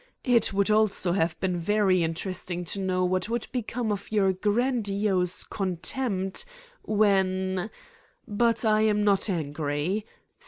It would also have been very interesting to know what would become of your grandiose contempt whem ... But I am not angry.